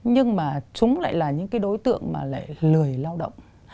nhưng mà chúng lại là những đối tượng lười lao động